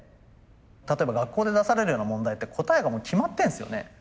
例えば学校で出されるような問題って答えがもう決まってるんですよね。